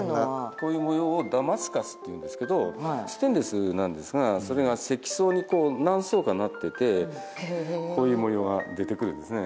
こういう模様をダマスカスっていうんですけどステンレスなんですがそれが積層にこう何層かなっててへえこういう模様が出てくるんですね